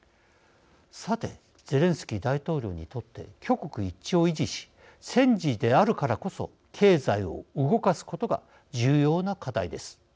さてゼレンスキー大統領にとって挙国一致を維持し戦時であるからこそ経済を動かすことが重要な課題です。